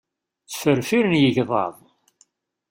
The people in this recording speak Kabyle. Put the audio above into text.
Ttferfiren yigḍaḍ.